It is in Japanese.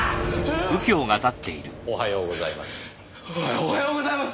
おはようございます。